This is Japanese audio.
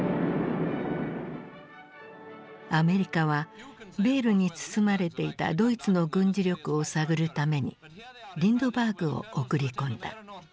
アメリカはベールに包まれていたドイツの軍事力を探るためにリンドバーグを送り込んだ。